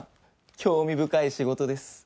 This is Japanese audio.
興味深い仕事です。